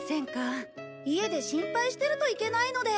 家で心配してるといけないので。